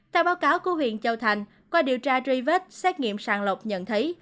tại báo cáo của huyện châu thành qua điều tra tri vết xét nghiệm sàng lọc nhận thấy